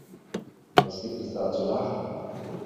Was gibt es da zu lachen?